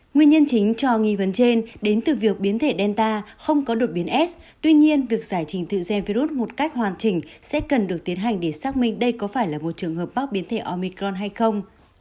nguyên nhân chính cho nghi vấn trên đến từ việc biến thể delta không có đột biến s tuy nhiên việc giải trình tự gen virus một cách hoàn chỉnh sẽ cần được tiến hành để xác minh đây có phải là một trường hợp mắc biến thể omicron hay không